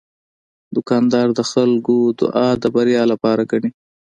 دوکاندار د خلکو دعا د بریا لاره ګڼي.